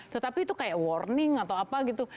tetapi itu kayak warning atau apa gitu